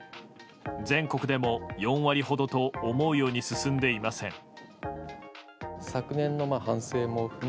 全国でも４割ほどと思うように進んでいません。